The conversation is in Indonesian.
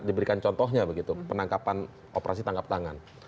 diberikan contohnya begitu penangkapan operasi tangkap tangan